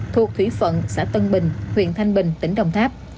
thuộc thủy phận xã tân bình huyện thanh bình tỉnh đồng tháp